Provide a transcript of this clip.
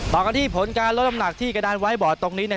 ต่อกันที่ผลการลดน้ำหนักที่กระดานไว้บอร์ดตรงนี้